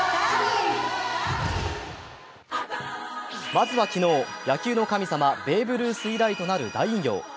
まずは昨日、野球の神様、ベーブ・ルース以来となる大偉業。